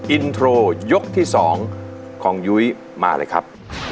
อินโทรยกที่๒ของยุ้ยมาเลยครับ